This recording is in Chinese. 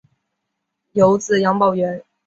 有子杨葆元。